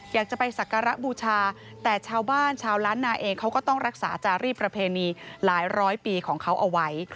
อยากจะไปสักการะบูชาแต่ชาวบ้านชาวล้านนาเองเขาก็ต้องรักษาจารีประเพณีหลายร้อยปีของเขาเอาไว้